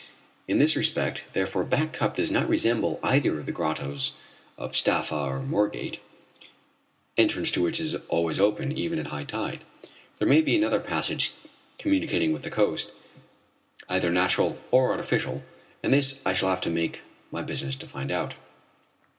In this respect therefore Back Cup does not resemble either the grottoes of Staffa or Morgate, entrance to which is always open, even at high tide. There may be another passage communicating with the coast, either natural or artificial, and this I shall have to make my business to find out.